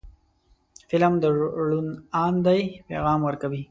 فلم د روڼ اندۍ پیغام ورکوي